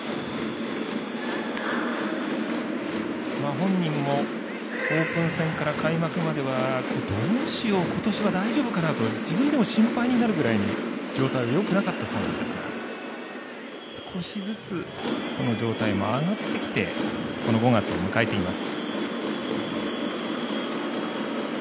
本人もオープン戦から開幕まではどうしよう、今年は大丈夫かなと自分でも心配になるぐらいに状態がよくなかったそうなんですが少しずつその状態も上がってきてこの５月を迎えています。